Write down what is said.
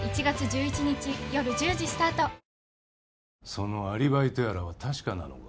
そのアリバイとやらは確かなのか？